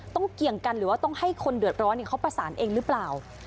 เกี่ยงกันหรือว่าต้องให้คนเดือดร้อนเขาประสานเองหรือเปล่า